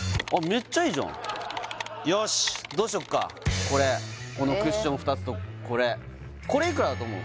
めっちゃいいじゃんよしどうしようかこれこのクッション２つとこれこれいくらだと思う？